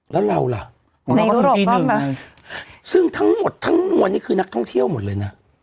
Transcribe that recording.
แล้วเราล่ะในรอบนี้ไหมซึ่งทั้งหมดทั้งมวลนี่คือนักท่องเที่ยวหมดเลยนะ